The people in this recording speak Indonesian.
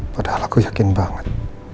padahal aku yakin banget